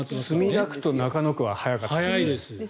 墨田区と中野区は早かったですね。